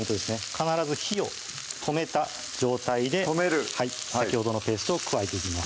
必ず火を止めた状態で止める先ほどのペーストを加えていきます